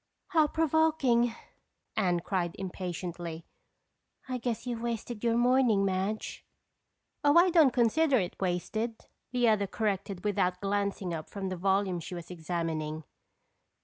"How provoking!" Anne cried impatiently. "I guess you've wasted your morning, Madge." "Oh, I don't consider it wasted," the other corrected without glancing up from the volume she was examining.